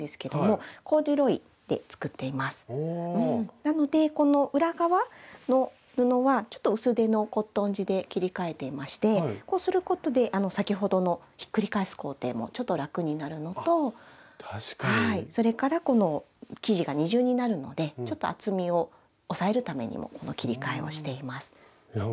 なのでこの裏側の布はちょっと薄手のコットン地で切り替えていましてこうすることで先ほどのひっくり返す工程も楽になるのとそれからこの生地が二重になるのでちょっと厚みを抑えるためにもこの切り替えをしています。